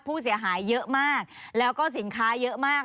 ผู้เสียหายเยอะมากแล้วก็สินค้าเยอะมาก